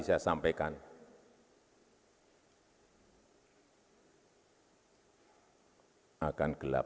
saya sampaikan akan gelap